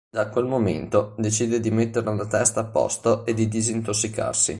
Da quel momento decide di mettere la testa a posto e di disintossicarsi.